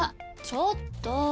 ちょっと。